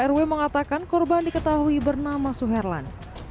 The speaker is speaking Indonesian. ketua rw mengatakan korban diketahui bernama suhera tangerang